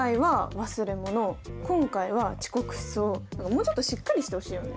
もうちょっとしっかりしてほしいよね。